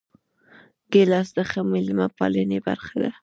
ګیلاس د ښه میلمه پالنې برخه ده.